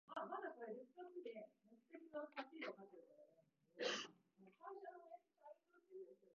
何故再び飲まれようとするのか、理由がわからなかった